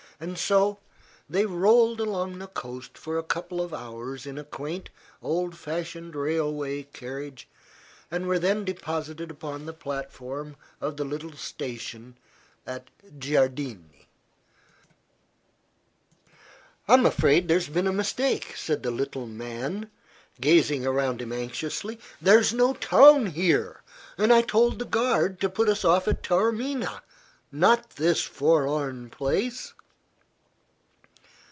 So they rolled along the coast for a couple of hours in a quaint, old fashioned railway carriage, and were then deposited upon the platform of the little station at Giardini. "I'm afraid there has been a mistake," said the little man, gazing around him anxiously. "There's no town here, and I told the guard to put us off at Taormina not this forlorn place."